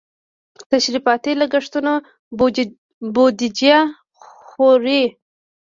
تشریفاتي لګښتونه بودیجه خوري.